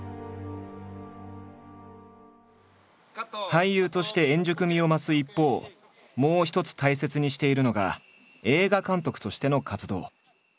俳優として円熟味を増す一方もう一つ大切にしているのが映画監督としての活動。